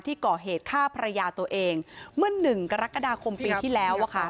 ก่อเหตุฆ่าภรรยาตัวเองเมื่อ๑กรกฎาคมปีที่แล้ว